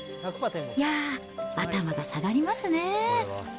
いやー、頭が下がりますね。